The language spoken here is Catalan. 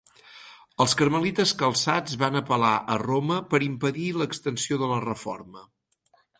Els carmelites calçats van apel·lar a Roma per impedir l'extensió de la reforma.